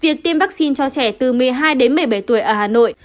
việc tiêm vaccine cho trẻ từ một mươi hai đến một mươi bảy tuổi ở hà nội